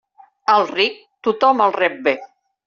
Al ric, tothom el rep bé.